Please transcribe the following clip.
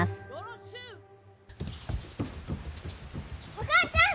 お母ちゃん！